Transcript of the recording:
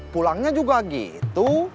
pulangnya juga gitu